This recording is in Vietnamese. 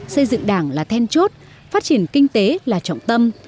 xây dựng đảng là then chốt phát triển kinh tế là trọng tâm